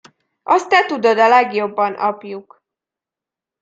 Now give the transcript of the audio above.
Azt te tudod a legjobban, apjuk!